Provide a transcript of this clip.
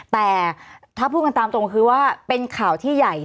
แต่ถ้าพูดกันตามตรงคือว่าเป็นข่าวที่ใหญ่